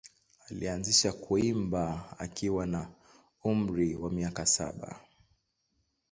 Alianza kuimba akiwa na umri wa miaka saba.